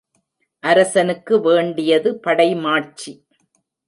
அரசனுக்கு வேண்டியது படைமாட்சி.